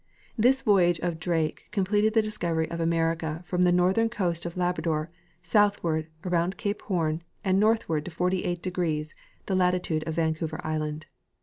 This voyage of Drake completed the discovery of America from the northern coast of Labrador southward around cape Horn and northward to 48°, the latitude of Van couver island.